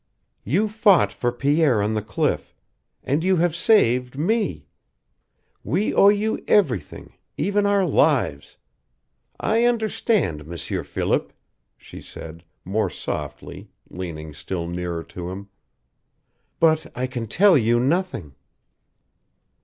"You fought for Pierre on the cliff, and you have saved me. We owe you everything, even our lives. I understand, M'sieur Philip," she said, more softly, leaning still nearer to him; "but I can tell you nothing."